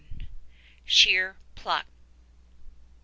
147 SHEER PLUCK. I.